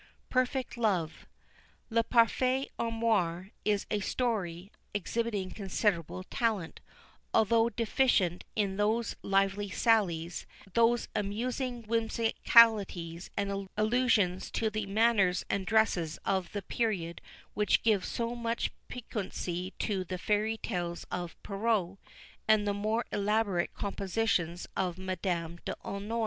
PERFECT LOVE. Le Parfait Amour is a story exhibiting considerable talent, although deficient in those lively sallies, those amusing whimsicalities and allusions to the manners and dresses of the period which give so much piquancy to the Fairy Tales of Perrault, and the more elaborate compositions of Madame d'Aulnoy.